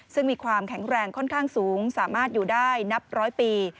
ซึ่งมีความแข็งแรงค่อนข้างสูงสามารถอยู่ได้นับร้อยปี